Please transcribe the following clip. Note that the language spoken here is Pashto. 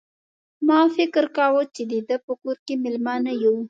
ما فکر کاوه چې د ده په کور کې مېلمانه یو.